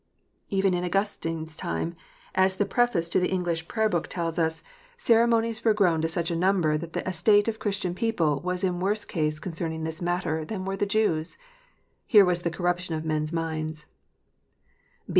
Even in Augustine s time, as the preface to the English Prayer book 388 KNOTS UNTIED. tells us, " Ceremonies were grown to such a number that the estate of Christian people was in worse case concerning this matter than were the Jews. " Here was the corruption of men s minda.